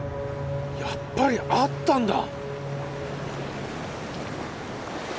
やっぱりあったんだ！